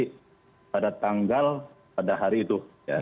dan juga bisa mengisi pada tanggal pada hari itu